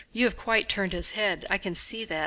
You have quite turned his head, I can see that...."